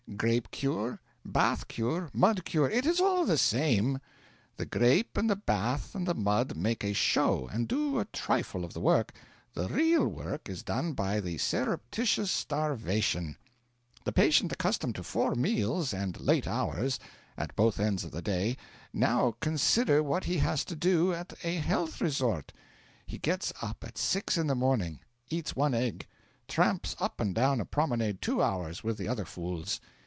Grape cure, bath cure, mud cure it is all the same. The grape and the bath and the mud make a show and do a trifle of the work the real work is done by the surreptitious starvation. The patient accustomed to four meals and late hours at both ends of the day now consider what he has to do at a health resort. He gets up at 6 in the morning. Eats one egg. Tramps up and down a promenade two hours with the other fools.